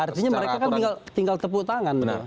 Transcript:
artinya mereka kan tinggal tepuk tangan